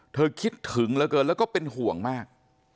คิดถึงเหลือเกินแล้วก็เป็นห่วงมาก